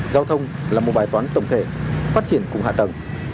giao thông là một bài toán tổng thể phát triển cùng hạ tầng